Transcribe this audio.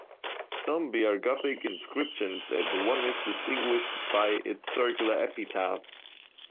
Some bear Gothic inscriptions and one is distinguished by its circular epitaph.